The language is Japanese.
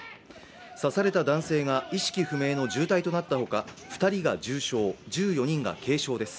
刺された男性が意識不明の重体となったほか２人が重傷、１４人が軽傷です。